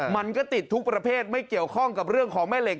มันก็ติดทุกประเภทไม่เกี่ยวข้องกับเรื่องของแม่เหล็ก